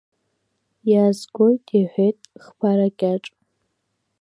Иаазгоит, — иҳәеит Хԥара Кьаҿ.